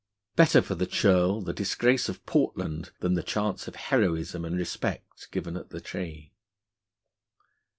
Better for the churl the disgrace of Portland than the chance of heroism and respect given at the Tree!